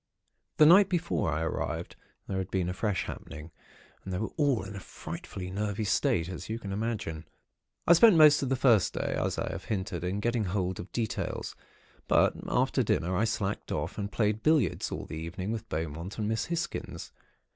"The night before I arrived, there had been a fresh happening, and they were all in a frightfully nervy state, as you can imagine. "I spent most of the first day, as I have hinted, in getting hold of details; but after dinner, I slacked off, and played billiards all the evening with Beaumont and Miss Hisgins.